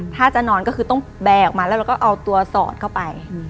ถ้าจะนอนก็คือต้องแบร์ออกมาแล้วเราก็เอาตัวสอดเข้าไป